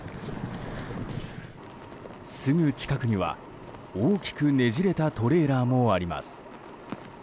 すぐ近くには、大きくねじれたトレーラーもあります。